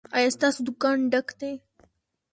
ایا ستاسو دکان ډک دی؟